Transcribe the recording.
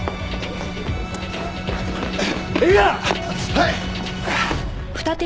はい！